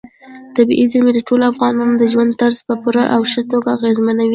طبیعي زیرمې د ټولو افغانانو د ژوند طرز په پوره او ښه توګه اغېزمنوي.